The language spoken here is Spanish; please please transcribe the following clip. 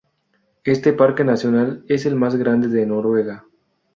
Este parque nacional es el más grande de Noruega.